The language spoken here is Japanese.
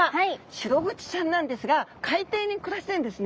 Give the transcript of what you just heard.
シログチちゃんなんですが海底に暮らしているんですね。